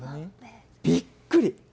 びっくり。